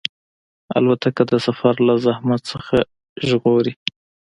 الوتکه د سفر له زحمت نه ژغوري.